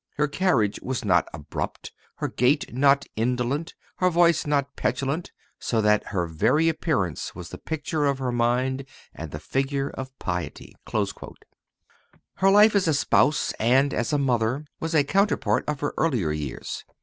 Her carriage was not abrupt, her gait not indolent, her voice not petulant, so that her very appearance was the picture of her mind and the figure of piety." Her life as a spouse and as a mother was a counterpart of her earlier years.